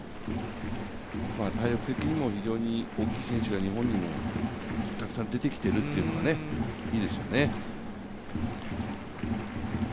体力的にも非常に大きい選手が日本にもたくさん出てきているというのがいいですよね。